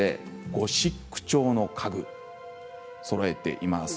ゴシック調の家具でそろえています。